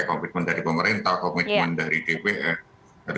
komitmen dari pemerintah komitmen dari dpr